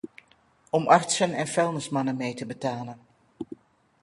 Om artsen en vuilnismannen mee te betalen.